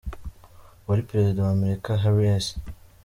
Uwari perezida wa Amerika Harry S.